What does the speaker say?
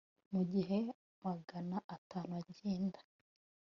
mu gihe magana atanu agenda